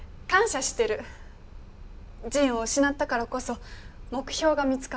仁を失ったからこそ目標が見つかった。